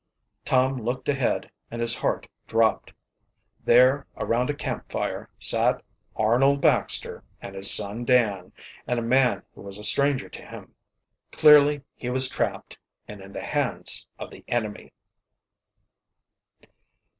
Tom looked ahead, and his heart dropped. There around a camp fire sat Arnold Baxter and his son Dan, and a man who was a stranger to him. Clearly he was trapped, and in the hands of the enemy.